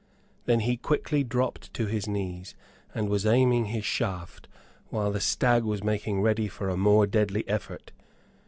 Then he quickly dropped to his knee, and was aiming his shaft whilst the stag was making ready for a more deadly effort.